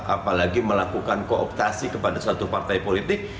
apalagi melakukan kooptasi kepada satu partai politik